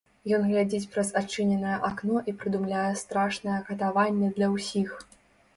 Ён глядзіць праз адчыненае акно і прыдумляе страшнае катаванне для ўсіх.